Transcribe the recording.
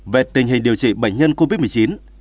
về tình hình điều trị bệnh nhân covid một mươi chín